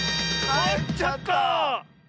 かえっちゃった！